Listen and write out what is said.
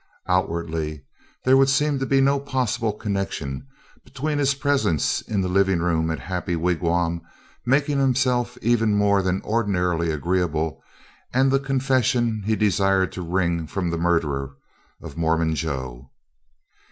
Outwardly, there would seem to be no possible connection between his presence in the living room at Happy Wigwam making himself even more than ordinarily agreeable, and the confession he desired to wring from the murderer of Mormon Joe.